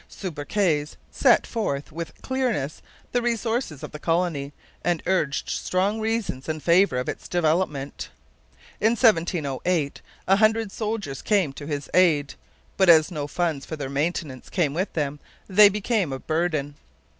Subercase set forth with clearness the resources of the colony, and urged strong reasons in favour of its development. In 1708 a hundred soldiers came to his aid; but as no funds for their maintenance came with them, they became a burden.